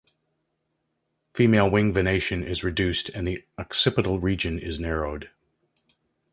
Female wing venation is reduced and the occipital region is narrowed.